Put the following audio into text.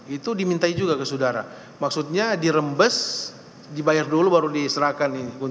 itu dimintai juga ke saudara maksudnya dirembes dibayar dulu baru diserahkan ini